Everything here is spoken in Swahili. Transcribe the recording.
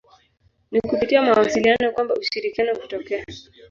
Ni kupitia mawasiliano kwamba ushirikiano hutokea.